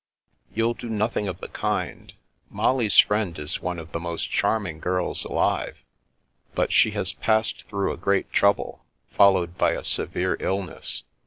" You'll do nothing of the kind. Molly's friend is one of the most charming girls alive, but she has passed through a great trouble, followed by a severe illness.